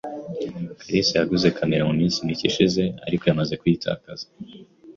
kalisa yaguze kamera muminsi mike ishize, ariko yamaze kuyitakaza